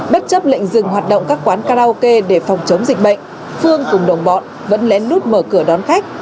bất chấp lệnh dừng hoạt động các quán karaoke để phòng chống dịch bệnh phương cùng đồng bọn vẫn lén lút mở cửa đón khách